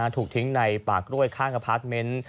ถูกทิ้งในป่ากล้วยฆ่ากับพลาดเม้นท์